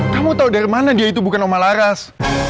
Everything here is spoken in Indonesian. kamu tau dari mana dia itu bukan omah laras